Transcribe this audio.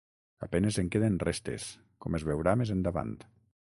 A penes en queden restes, com es veurà més endavant.